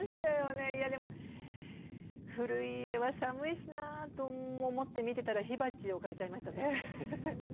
でも古い家は寒いしなと思って見てたら火鉢置かれちゃいました。